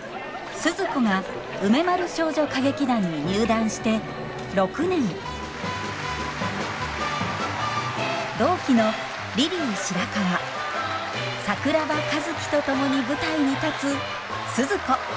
スズ子が梅丸少女歌劇団に入団して６年同期のリリー白川桜庭和希と共に舞台に立つスズ子。